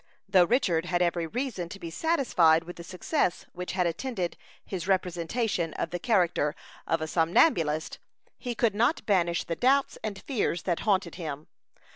Though Richard had every reason to be satisfied with the success which had attended his representation of the character of a somnambulist, he could not banish the doubts and fears that haunted him.